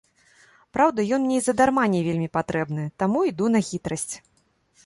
Праўда, ён мне і задарма не вельмі патрэбны, таму іду на хітрасць.